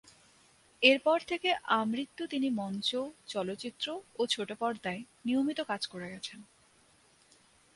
এর পর থেকে আমৃত্যু তিনি মঞ্চ, চলচ্চিত্র ও ছোটপর্দায় নিয়মিত কাজ করে গেছেন।